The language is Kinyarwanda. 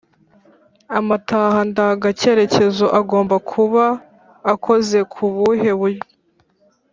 amatara ndanga cyerekezo agomba kuba akoze kubuhe buryo